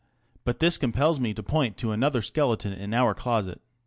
But this compels me to point to another skeleton in our closet.